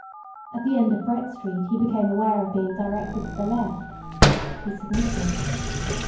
At the end of Brett Street he became aware of being directed to the left. He submitted.